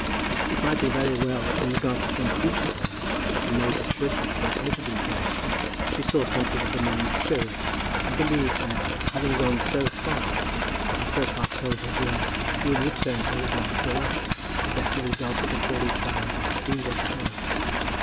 It might be very well, in regard to some future time, that the major should have so committed himself. She saw something of the man's spirit, and believed that, having gone so far, having so far told his love, he would return to his love hereafter, let the result of the Crawley trial be what it might.